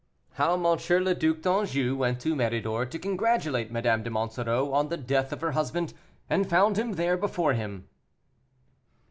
HOW M. LE DUC D'ANJOU WENT TO MÉRIDOR TO CONGRATULATE MADAME DE MONSOREAU ON THE DEATH OF HER HUSBAND, AND FOUND HIM THERE BEFORE HIM.